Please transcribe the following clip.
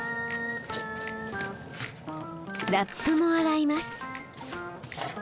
ラップも洗います。